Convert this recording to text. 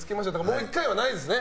もう１回はないですね。